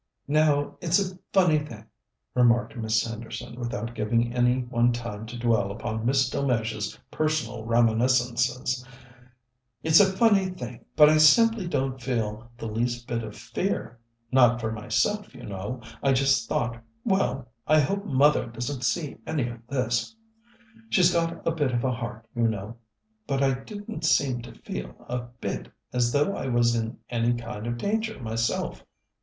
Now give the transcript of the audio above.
"Now, it's a funny thing," remarked Miss Henderson, without giving any one time to dwell upon Miss Delmege's personal reminiscences "it's a funny thing, but I simply didn't feel the least bit of fear. Not for myself, you know. I just thought, well, I hope mother doesn't see any of this she's got a bit of a heart, you know but I didn't seem to feel a bit as though I was in any kind of danger myself.